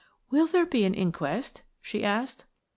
"Will there be an inquest?" she asked.